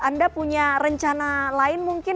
anda punya rencana lain mungkin